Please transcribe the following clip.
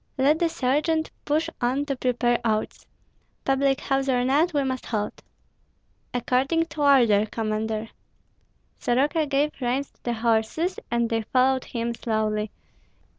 "Let the sergeant push on to prepare oats. Public house or not, we must halt." "According to order, Commander." Soroka gave reins to the horses, and they followed him slowly.